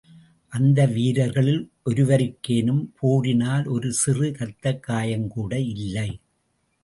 அந்த வீரர்களில் ஒருவருக்கேனும் போரினால் ஒரு சிறு இரத்தக் காயம்கூட இல்லை.